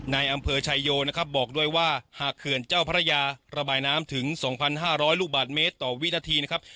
ในอำเภอชายโยนะครับบอกด้วยว่าหากเขื่อนเจ้าพระยาระบายน้ำถึง๒๕๐๐ลูกบาทเมตรต่อวินาทีนะครับ